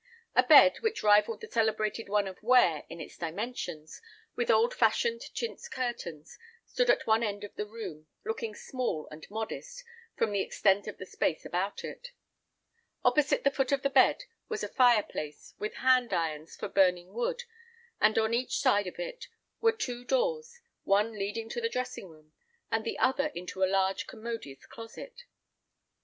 A bed, which rivalled the celebrated one of Ware in its dimensions, with old fashioned chintz curtains, stood at one side of the room, looking small and modest, from the extent of the space about it. Opposite the foot of the bed was a fire place, with hand irons for burning wood, and on each side of it were two doors, one leading into the dressing room, and the other into a large commodious closet.